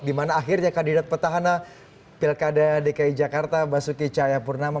dimana akhirnya kandidat petahana pilkada dki jakarta basuki cahayapurnama